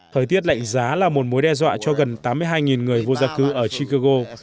thời tiết lạnh giá là một mối đe dọa cho gần tám mươi hai người vô gia cư ở chikugo